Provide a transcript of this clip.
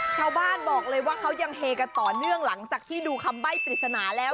ชาวบ้านบอกเลยว่าเขายังเฮกันต่อเนื่องหลังจากที่ดูคำใบ้ปริศนาแล้ว